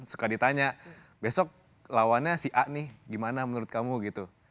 suka ditanya besok lawannya si a nih gimana menurut kamu gitu